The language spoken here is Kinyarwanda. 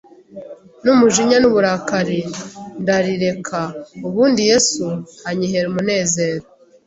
n’umujinya n’uburakari ndarireka, ubundi Yesu anyihera umunezero